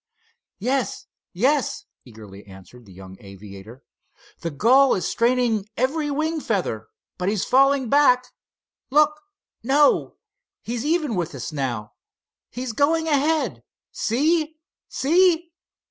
"Yes! Yes!" eagerly answered the young aviator. "The gull is straining every wing feather, but he's falling back. Look, no he's even with us now! He's going ahead—see—see!"